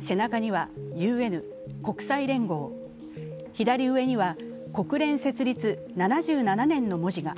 背中には、「ＵＮ＝国際連合」、左上には「国連設立７７年」の文字が。